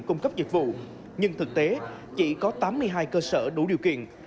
cung cấp dịch vụ nhưng thực tế chỉ có tám mươi hai cơ sở đủ điều kiện